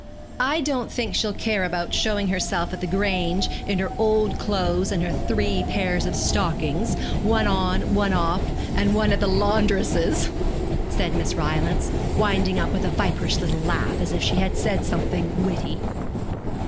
I don't think she'll care about showing herself at the Grange in her old clothes and her three pairs of stockings, one on, one off, and one at the laundress's,' said Miss Rylance, winding up with a viperish little laugh as if she had said something witty.